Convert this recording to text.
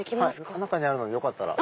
中にあるのでよかったら。